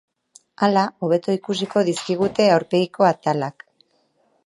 Hala, hobeto ikusiko dizkigute aurpegiko atalak.